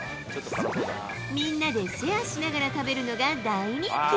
みんなでシェアしながら食べるのが大人気。